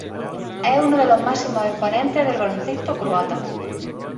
Es uno de los máximos exponentes del baloncesto croata.